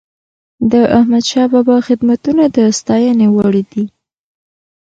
د احمدشاه بابا خدمتونه د ستايني وړ دي.